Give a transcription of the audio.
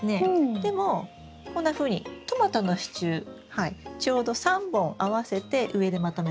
でもこんなふうにトマトの支柱ちょうど３本合わせて上でまとめてますよね？